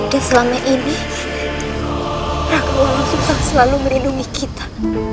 dan selama ini raka walang sungsang selalu melindungi kita